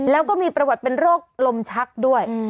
แล้วก็มีประวัติเป็นโรคลมชักด้วย